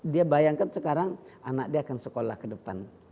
dia bayangkan sekarang anaknya akan sekolah ke depan